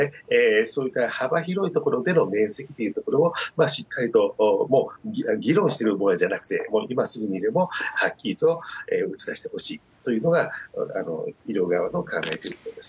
そういった幅広いところでの免責というところも、しっかりと、もう議論してる場合じゃなくて、もう今すぐにでもはっきりと打ち出してほしいというのが、医療側の考えてることです。